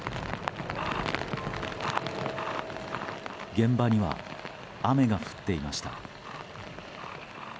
現場には雨が降っていました。